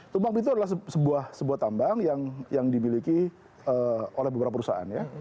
tumpang pintu adalah sebuah tambang yang dimiliki oleh beberapa perusahaan ya